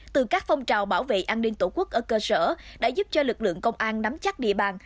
từ các phong trào bảo vệ an ninh tổ quốc ở cơ sở đã giúp cho lực lượng công an nắm chắc địa bàn